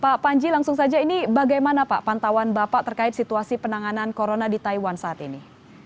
pak panji langsung saja ini bagaimana pak pantauan bapak terkait situasi penanganan corona di taiwan saat ini